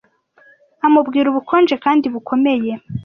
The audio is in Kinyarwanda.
amubwira ubukonje kandi bukomeye